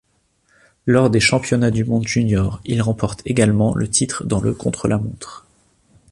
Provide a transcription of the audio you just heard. Lors des championnats du monde juniors, il remporte également le titre dans le contre-la-montre.